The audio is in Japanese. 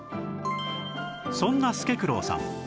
そんな助九郎さん